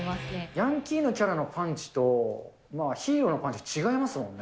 ヤンキーのキャラのパンチとヒーローのパンチ、違いますもんね。